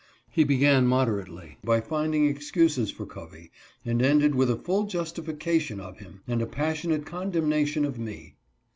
He began moderately by finding excuses for Covey, and ended with a full justification of him, and a passionate condemnation of me.